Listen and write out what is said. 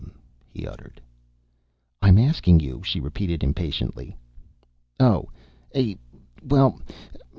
he uttered. "I'm asking you," she repeated impatiently. "Oh! Eh! Well!